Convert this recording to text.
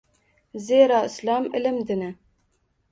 Zero Islom – ilm dini.